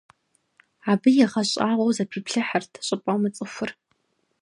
Абы игъэщӀагъуэу зэпиплъыхьырт щӀыпӏэ мыцӀыхур.